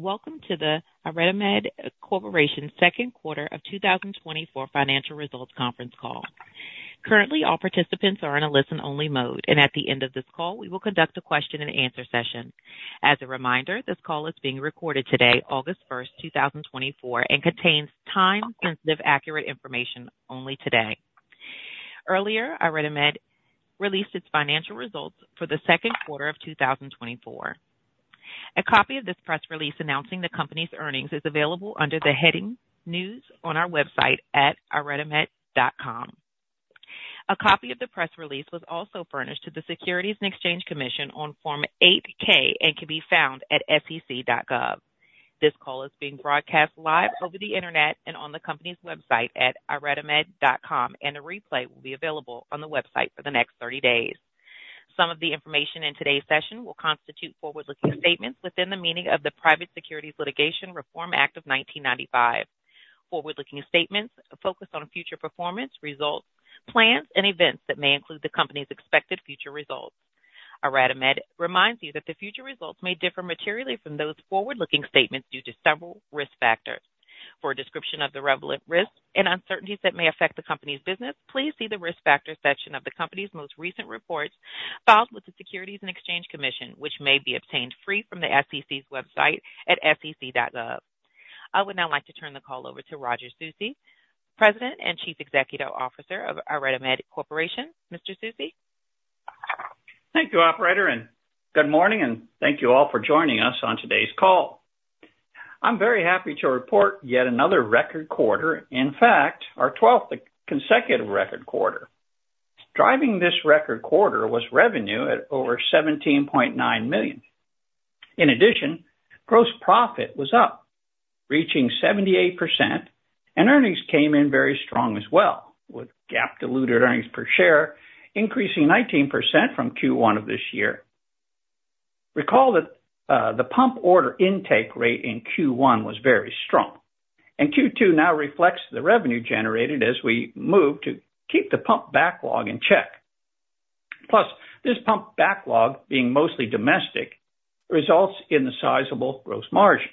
Welcome to the IRadimed Corporation second quarter of 2024 financial results conference call. Currently, all participants are in a listen-only mode, and at the end of this call, we will conduct a question and answer session. As a reminder, this call is being recorded today, August 1st, 2024, and contains time-sensitive, accurate information only today. Earlier, IRadimed released its financial results for the second quarter of 2024. A copy of this press release announcing the company's earnings is available under the heading News on our website at iradimed.com. A copy of the press release was also furnished to the Securities and Exchange Commission on Form 8-K and can be found at sec.gov. This call is being broadcast live over the internet and on the company's website at iradimed.com, and a replay will be available on the website for the next 30 days. Some of the information in today's session will constitute forward-looking statements within the meaning of the Private Securities Litigation Reform Act of 1995. Forward-looking statements focus on future performance, results, plans, and events that may include the company's expected future results. IRadimed reminds you that the future results may differ materially from those forward-looking statements due to several risk factors. For a description of the relevant risks and uncertainties that may affect the company's business, please see the Risk Factors section of the company's most recent reports filed with the Securities and Exchange Commission, which may be obtained free from the SEC's website at sec.gov. I would now like to turn the call over to Roger Susi, President and Chief Executive Officer of IRadimed Corporation. Mr. Susi? Thank you, operator, and good morning, and thank you all for joining us on today's call. I'm very happy to report yet another record quarter. In fact, our 12th consecutive record quarter. Driving this record quarter was revenue at over $17.9 million. In addition, gross profit was up, reaching 78%, and earnings came in very strong as well, with GAAP diluted earnings per share, increasing 19% from Q1 of this year. Recall that, the pump order intake rate in Q1 was very strong, and Q2 now reflects the revenue generated as we move to keep the pump backlog in check. Plus, this pump backlog, being mostly domestic, results in the sizable gross margin.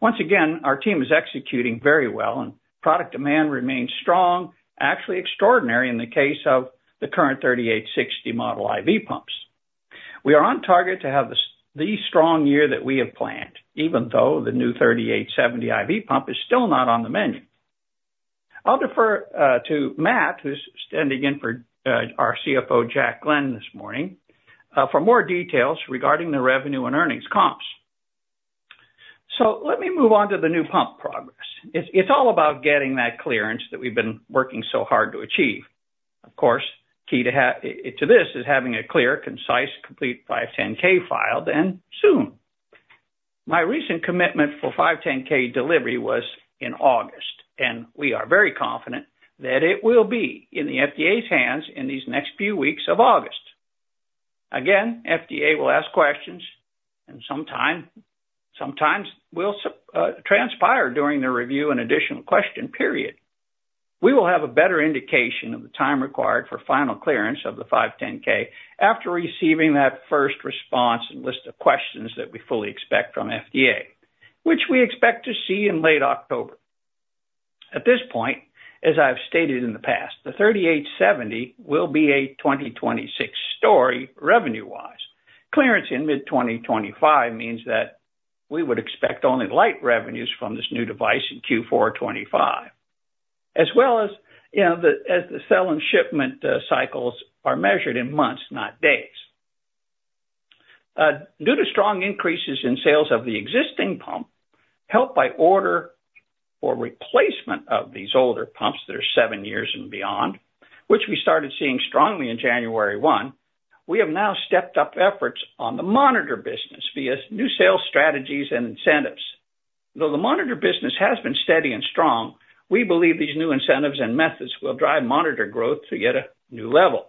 Once again, our team is executing very well and product demand remains strong, actually extraordinary in the case of the current 3860 model IV pumps. We are on target to have the strong year that we have planned, even though the new 3870 IV pump is still not on the menu. I'll defer to Matt, who's standing in for our CFO, Jack Glenn, this morning, for more details regarding the revenue and earnings comps. So let me move on to the new pump progress. It's all about getting that clearance that we've been working so hard to achieve. Of course, key to this is having a clear, concise, complete 510(k) filed soon. My recent commitment for 510(k) delivery was in August, and we are very confident that it will be in the FDA's hands in these next few weeks of August. Again, FDA will ask questions and sometimes will transpire during the review and additional question period. We will have a better indication of the time required for final clearance of the 510(k) after receiving that first response and list of questions that we fully expect from FDA, which we expect to see in late October. At this point, as I've stated in the past, the 3870 will be a 2026 story revenue-wise. Clearance in mid-2025 means that we would expect only light revenues from this new device in Q4 2025, as well as, you know, as the sales and shipment cycles are measured in months, not days. Due to strong increases in sales of the existing pump, helped by orders for replacement of these older pumps that are seven years and beyond, which we started seeing strongly in January 1, we have now stepped up efforts on the monitor business via new sales strategies and incentives. Though the monitor business has been steady and strong, we believe these new incentives and methods will drive monitor growth to yet a new level.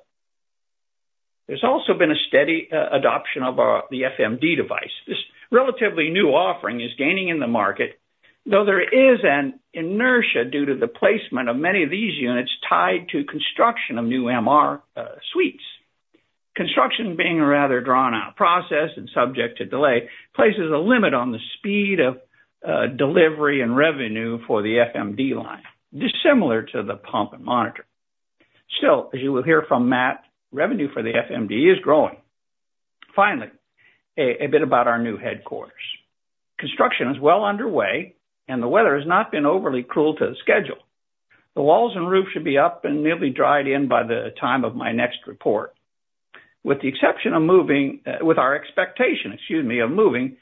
There's also been a steady adoption of the FMD device. This relatively new offering is gaining in the market, though there is an inertia due to the placement of many of these units tied to construction of new MR suites. Construction being a rather drawn-out process and subject to delay, places a limit on the speed of delivery and revenue for the FMD line, dissimilar to the pump and monitor. Still, as you will hear from Matt, revenue for the FMD is growing. Finally, a bit about our new headquarters. Construction is well underway and the weather has not been overly cruel to the schedule. The walls and roof should be up and nearly dried in by the time of my next report. With our expectation, excuse me, of moving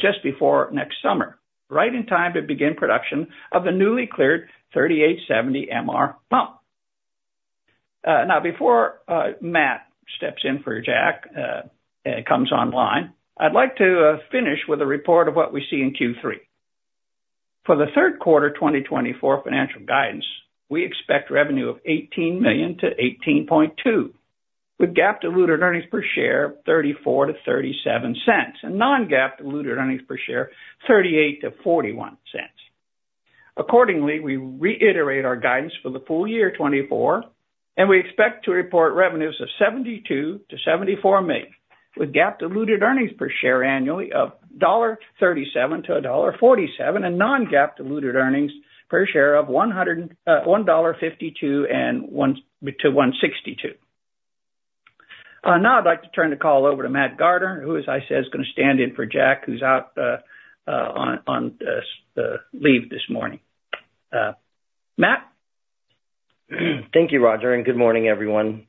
just before next summer, right in time to begin production of the newly cleared 3870 MR pump. Now, before Matt steps in for Jack comes online, I'd like to finish with a report of what we see in Q3. For the third quarter 2024 financial guidance, we expect revenue of $18 million-$18.2 million, with GAAP diluted earnings per share of $0.34-$0.37, and non-GAAP diluted earnings per share, $0.38-$0.41. Accordingly, we reiterate our guidance for the full year 2024, and we expect to report revenues of $72 million-$74 million, with GAAP diluted earnings per share annually of $0.37-$0.47, and non-GAAP diluted earnings per share of $1.52-$1.62. Now I'd like to turn the call over to Matt Garner, who, as I said, is gonna stand in for Jack, who's out on leave this morning. Matt? Thank you, Roger, and good morning, everyone.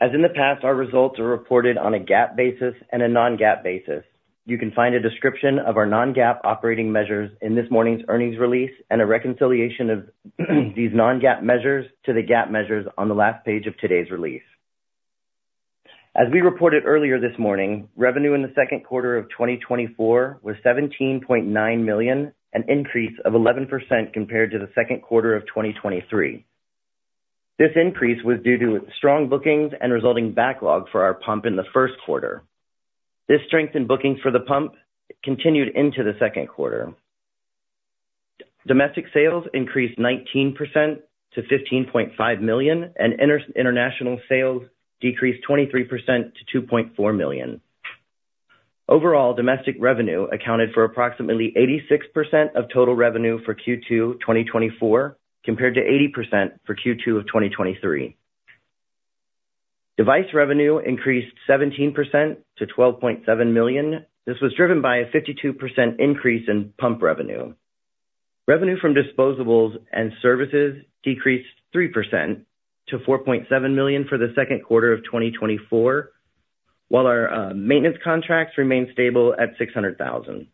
As in the past, our results are reported on a GAAP basis and a non-GAAP basis. You can find a description of our non-GAAP operating measures in this morning's earnings release and a reconciliation of these non-GAAP measures to the GAAP measures on the last page of today's release. As we reported earlier this morning, revenue in the second quarter of 2024 was $17.9 million, an increase of 11% compared to the second quarter of 2023. This increase was due to strong bookings and resulting backlog for our pump in the first quarter. This strength in bookings for the pump continued into the second quarter. Domestic sales increased 19% to $15.5 million, and international sales decreased 23% to $2.4 million. Overall, domestic revenue accounted for approximately 86% of total revenue for Q2 2024, compared to 80% for Q2 of 2023. Device revenue increased 17% to $12.7 million. This was driven by a 52% increase in pump revenue. Revenue from disposables and services decreased 3% to $4.7 million for the second quarter of 2024, while our maintenance contracts remained stable at $600,000.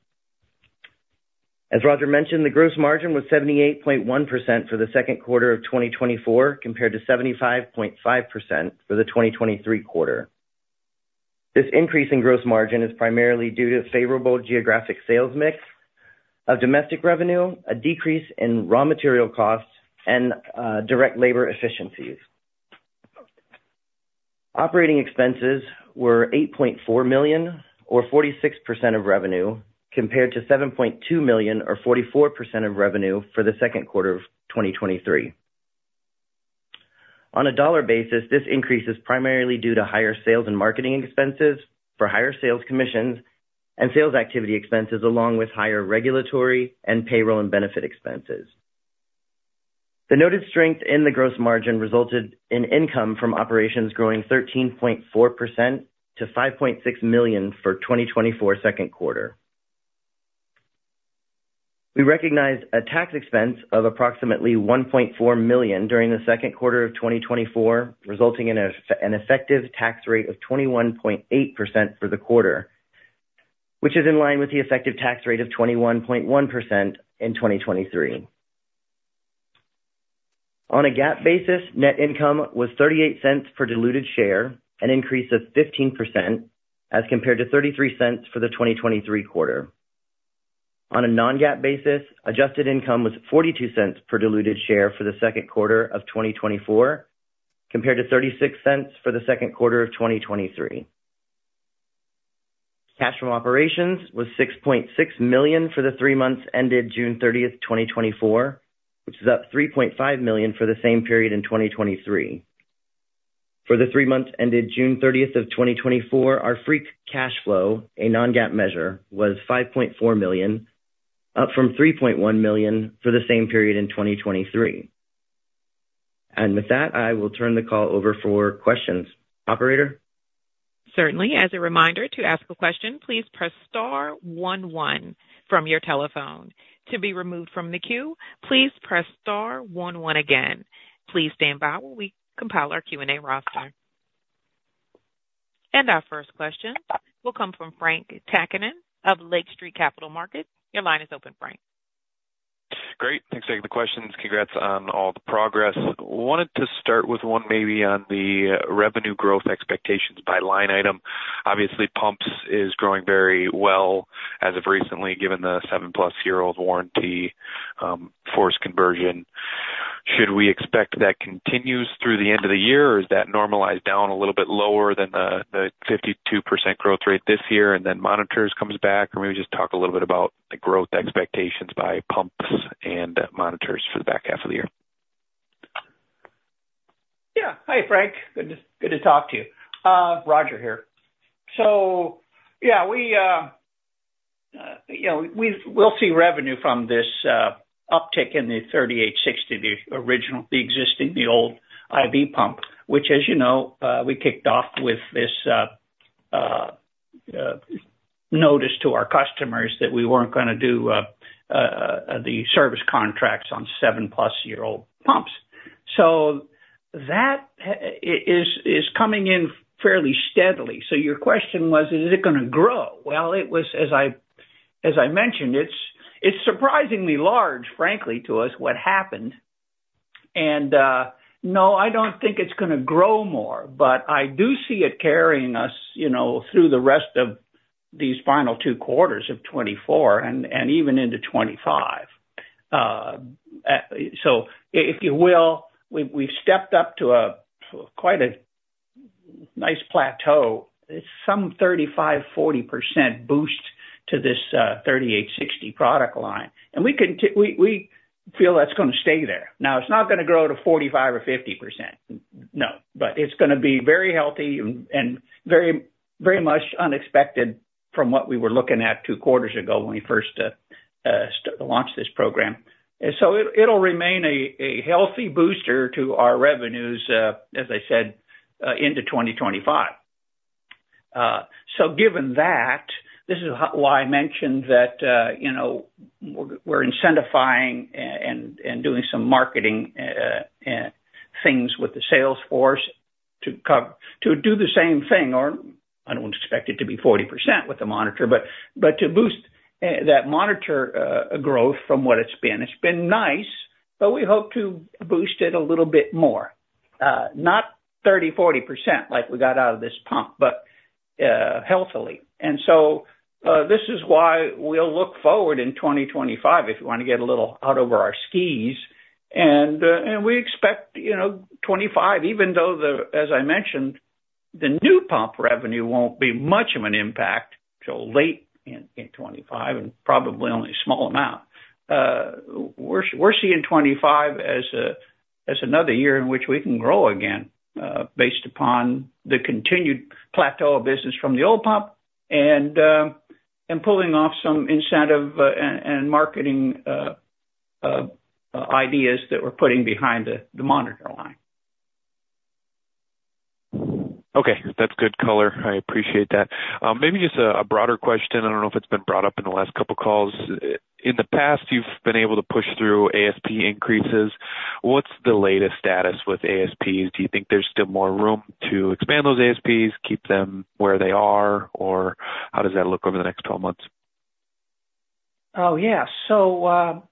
As Roger mentioned, the gross margin was 78.1% for the second quarter of 2024, compared to 75.5% for the 2023 quarter. This increase in gross margin is primarily due to favorable geographic sales mix of domestic revenue, a decrease in raw material costs, and direct labor efficiencies. Operating expenses were $8.4 million, or 46% of revenue, compared to $7.2 million, or 44% of revenue for the second quarter of 2023. On a dollar basis, this increase is primarily due to higher sales and marketing expenses for higher sales commissions and sales activity expenses, along with higher regulatory and payroll and benefit expenses. The noted strength in the gross margin resulted in income from operations growing 13.4% to $5.6 million for 2024 second quarter. We recognized a tax expense of approximately $1.4 million during the second quarter of 2024, resulting in an effective tax rate of 21.8% for the quarter, which is in line with the effective tax rate of 21.1% in 2023. On a GAAP basis, net income was $0.38 per diluted share, an increase of 15%, as compared to $0.33 for the 2023 quarter. On a non-GAAP basis, adjusted income was $0.42 per diluted share for the second quarter of 2024, compared to $0.36 for the second quarter of 2023. Cash from operations was $6.6 million for the three months ended June 30th, 2024, which is up $3.5 million for the same period in 2023. For the three months ended June 30th of 2024, our free cash flow, a non-GAAP measure, was $5.4 million, up from $3.1 million for the same period in 2023. With that, I will turn the call over for questions. Operator? Certainly. As a reminder, to ask a question, please press star one one from your telephone. To be removed from the queue, please press star one one again. Please stand by while we compile our Q&A roster. Our first question will come from Frank Takkinen of Lake Street Capital Markets. Your line is open, Frank. Great. Thanks for taking the questions. Congrats on all the progress. Wanted to start with one maybe on the revenue growth expectations by line item. Obviously, pumps is growing very well as of recently, given the 7+ year-old warranty, force conversion. Should we expect that continues through the end of the year, or does that normalize down a little bit lower than the 52% growth rate this year, and then monitors comes back? Or maybe just talk a little bit about the growth expectations by pumps and monitors for the back half of the year. Yeah. Hi, Frank. Good to talk to you. Roger here. So, yeah, we, you know, we'll see revenue from this uptick in the 3860, the original, the existing, the old IV pump, which, as you know, we kicked off with this notice to our customers that we weren't gonna do the service contracts on 7+ year-old pumps. So that is coming in fairly steadily. So your question was, is it gonna grow? Well, it was, as I mentioned, it's surprisingly large, frankly, to us, what happened. And, no, I don't think it's gonna grow more, but I do see it carrying us, you know, through the rest of these final two quarters of 2024 and even into 2025. So if you will, we've stepped up to quite a nice plateau. It's some 35%-40% boost to this 3860 product line, and we feel that's gonna stay there. Now, it's not gonna grow to 45% or 50%, no, but it's gonna be very healthy and very much unexpected from what we were looking at two quarters ago when we first launched this program. And so it, it'll remain a healthy booster to our revenues, as I said, into 2025. So given that, this is why I mentioned that, you know, we're incentifying and and doing some marketing things with the sales force to cover to do the same thing, or I don't expect it to be 40% with the monitor, but but to boost that monitor growth from what it's been. It's been nice, but we hope to boost it a little bit more, not 30%-40%, like we got out of this pump, but healthily. And so, this is why we'll look forward in 2025, if you want to get a little out over our skis, and and we expect, you know, 2025, even though, as I mentioned, the new pump revenue won't be much of an impact till late in 2025, and probably only a small amount. We're seeing 2025 as another year in which we can grow again, based upon the continued plateau of business from the old pump and pulling off some incentive and marketing ideas that we're putting behind the monitor line. Okay, that's good color. I appreciate that. Maybe just a broader question, I don't know if it's been brought up in the last couple calls. In the past, you've been able to push through ASP increases. What's the latest status with ASPs? Do you think there's still more room to expand those ASPs, keep them where they are, or how does that look over the next 12 months? Oh, yeah. So,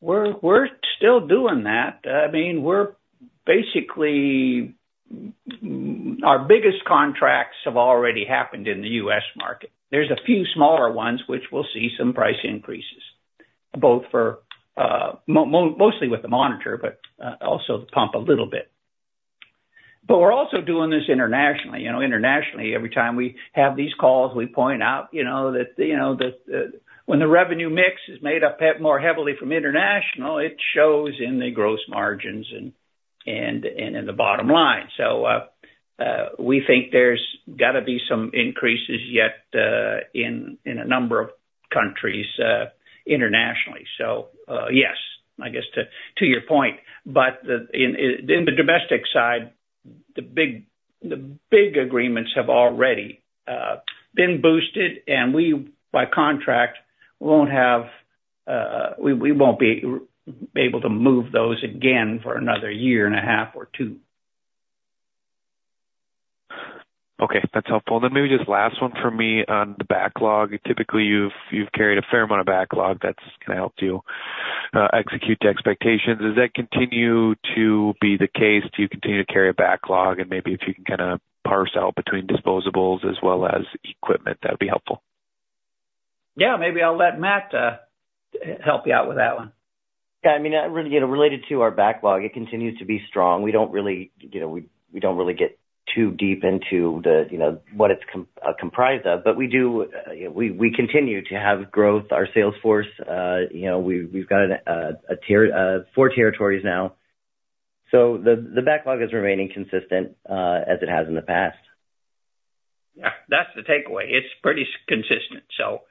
we're still doing that. I mean, we're basically, our biggest contracts have already happened in the U.S. market. There's a few smaller ones, which we'll see some price increases, both for, mostly with the monitor, but, also the pump a little bit. But we're also doing this internationally. You know, internationally, every time we have these calls, we point out, you know, that, you know, that, when the revenue mix is made up more heavily from international, it shows in the gross margins and in the bottom line. So, we think there's gotta be some increases yet, in a number of countries, internationally. So, yes, I guess to your point, but in the domestic side, the big agreements have already been boosted, and we, by contract, won't be able to move those again for another year and a half or two. Okay, that's helpful. Then maybe just last one from me on the backlog. Typically, you've carried a fair amount of backlog that's kind of helped you, execute to expectations. Does that continue to be the case? Do you continue to carry a backlog, and maybe if you can kinda parse out between disposables as well as equipment, that would be helpful. Yeah, maybe I'll let Matt help you out with that one. Yeah, I mean, you know, related to our backlog, it continues to be strong. We don't really, you know, we don't really get too deep into the, you know, what it's comprised of, but we do, we continue to have growth. Our sales force, you know, we've got four territories now. So the backlog is remaining consistent, as it has in the past. Yeah, that's the takeaway. It's pretty consistent. So,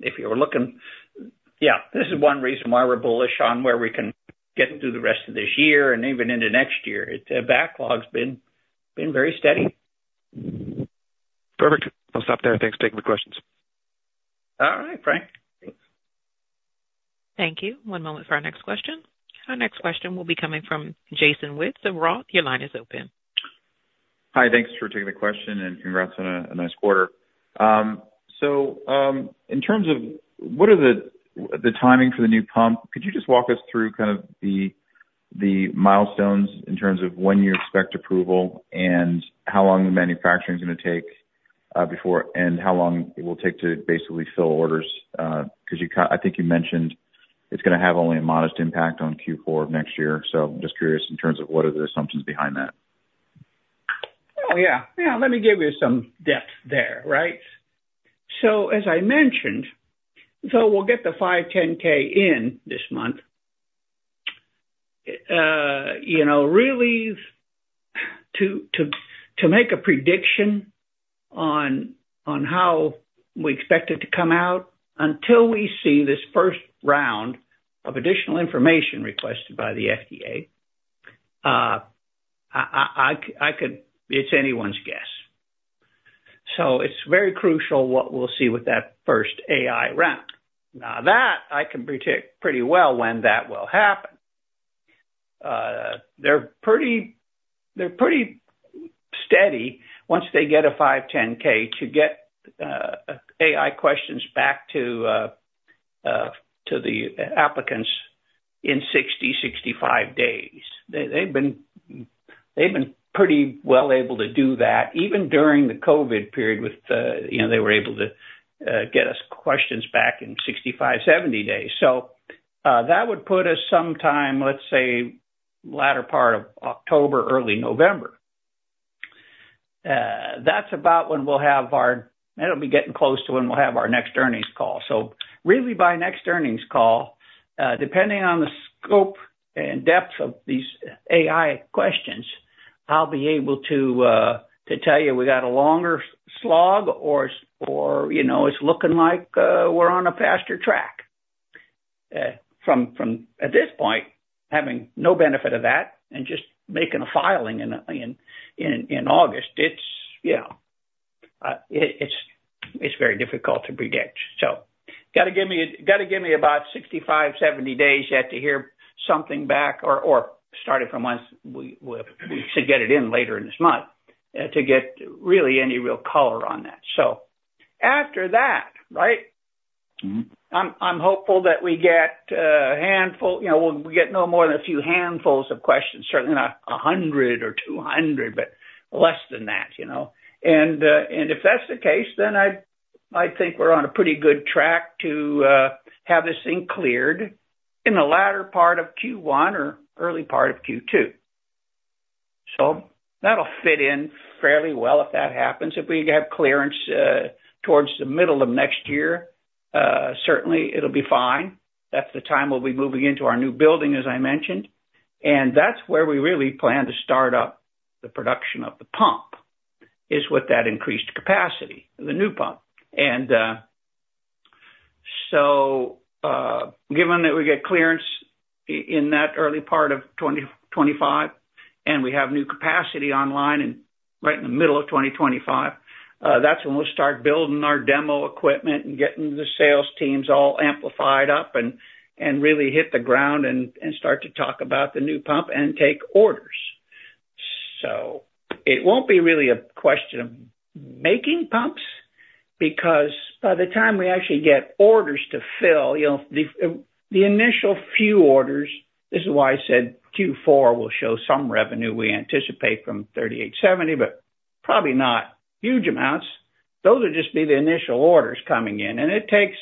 if you're looking... Yeah, this is one reason why we're bullish on where we can get through the rest of this year and even into next year. The backlog's been very steady. Perfect. I'll stop there. Thanks, take the questions. All right, Frank. Thanks. Thank you. One moment for our next question. Our next question will be coming from Jason Wittes of Roth. Your line is open. Hi. Thanks for taking the question, and congrats on a nice quarter. So, in terms of what are the timing for the new pump, could you just walk us through kind of the milestones in terms of when you expect approval, and how long the manufacturing is gonna take, before, and how long it will take to basically fill orders? Because I think you mentioned it's gonna have only a modest impact on Q4 of next year. So just curious in terms of what are the assumptions behind that? Oh, yeah. Yeah, let me give you some depth there, right? So, as I mentioned, so we'll get the 510(k) in this month. You know, really, to make a prediction on how we expect it to come out, until we see this first round of additional information requested by the FDA, I could-- It's anyone's guess. So it's very crucial what we'll see with that first AI round. Now, that I can predict pretty well when that will happen. They're pretty steady once they get a 510(k) to get AI questions back to the applicants in 60 days-65 days. They've been pretty well able to do that, even during the COVID period with, you know, they were able to get us questions back in 65 days-70 days. That would put us sometime, let's say, latter part of October, early November. That's about when we'll have our next earnings call. It'll be getting close to when we'll have our next earnings call. So really, by next earnings call, depending on the scope and depth of these AI questions, I'll be able to tell you we got a longer slog or, you know, it's looking like we're on a faster track. From at this point, having no benefit of that and just making a filing in August, it's, you know, it's very difficult to predict. So gotta give me about 65 days-70 days yet to hear something back or starting from once we should get it in later in this month to get really any real color on that. So after that, right? Mm-hmm. I'm hopeful that we get a handful, you know, we'll get no more than a few handfuls of questions, certainly not 100 or 200, but less than that, you know. And if that's the case, then I think we're on a pretty good track to have this thing cleared in the latter part of Q1 or early part of Q2. So that'll fit in fairly well if that happens. If we have clearance towards the middle of next year, certainly it'll be fine. That's the time we'll be moving into our new building, as I mentioned, and that's where we really plan to start up the production of the pump, is with that increased capacity, the new pump. Given that we get clearance in that early part of 2025, and we have new capacity online and right in the middle of 2025, that's when we'll start building our demo equipment and getting the sales teams all amplified up and really hit the ground and start to talk about the new pump and take orders. So it won't be really a question of making pumps, because by the time we actually get orders to fill, you know, the initial few orders, this is why I said Q4 will show some revenue we anticipate from 3870, but probably not huge amounts. Those will just be the initial orders coming in, and it takes,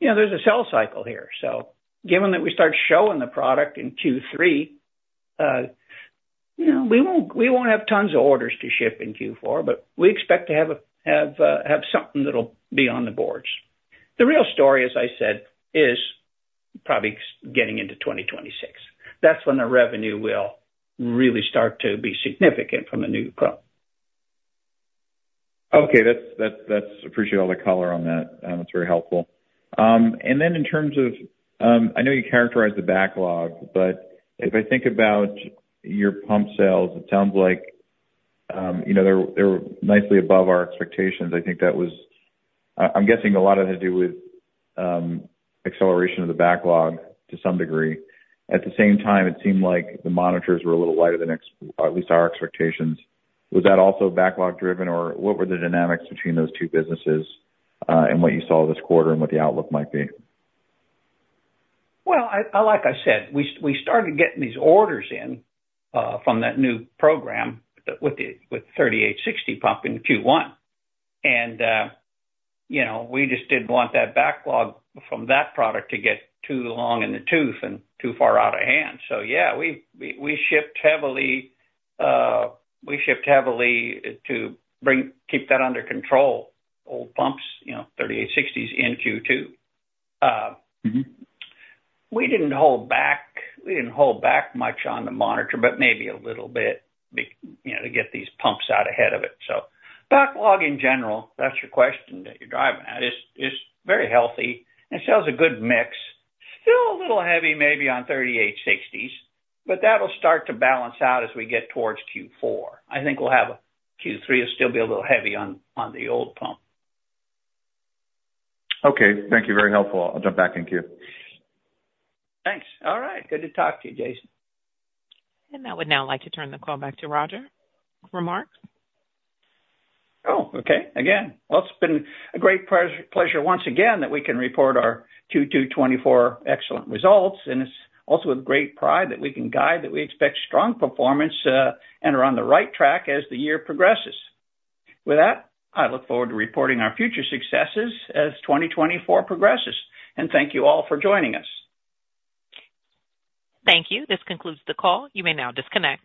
you know, there's a sales cycle here. So given that we start showing the product in Q3, you know, we won't have tons of orders to ship in Q4, but we expect to have something that'll be on the boards. The real story, as I said, is probably getting into 2026. That's when the revenue will really start to be significant from the new pump. Okay, that's... Appreciate all the color on that. It's very helpful. And then in terms of, I know you characterized the backlog, but if I think about your pump sales, it sounds like, you know, they were nicely above our expectations. I think that was... I'm guessing a lot of it had to do with acceleration of the backlog to some degree. At the same time, it seemed like the monitors were a little lighter than at least our expectations. Was that also backlog driven, or what were the dynamics between those two businesses, and what you saw this quarter and what the outlook might be? Well, like I said, we started getting these orders in from that new program with the 3860 pump in Q1. And, you know, we just didn't want that backlog from that product to get too long in the tooth and too far out of hand. So yeah, we shipped heavily to keep that under control. Old pumps, you know, 3860s in Q2. Mm-hmm. We didn't hold back, we didn't hold back much on the monitor, but maybe a little bit, you know, to get these pumps out ahead of it. So backlog in general, that's your question that you're driving at, is very healthy and sells a good mix. Still a little heavy, maybe on 3860s, but that'll start to balance out as we get towards Q4. I think we'll have... Q3 will still be a little heavy on the old pump. Okay. Thank you. Very helpful. I'll jump back in queue. Thanks. All right. Good to talk to you, Jason. I would now like to turn the call back to Roger for remarks. Oh, okay. Again, well, it's been a great pleasure once again that we can report our Q2 2024 excellent results, and it's also with great pride that we can guide, that we expect strong performance, and are on the right track as the year progresses. With that, I look forward to reporting our future successes as 2024 progresses, and thank you all for joining us. Thank you. This concludes the call. You may now disconnect.